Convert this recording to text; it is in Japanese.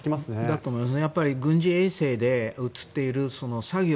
だと思います。